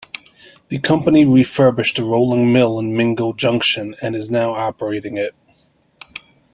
The company refurbished the rolling mill in Mingo Junction and is now operating it.